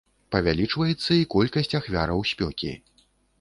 Павялічваецца і колькасць ахвяраў спёкі.